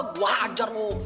gua ajar mu